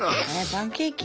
パンケーキ？